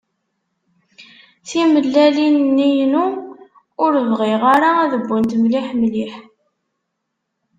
Timellalin-nni-inu ur bɣiɣ ara ad wwent mliḥ mliḥ.